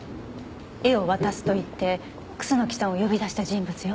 絵を渡すと言って楠木さんを呼び出した人物よ。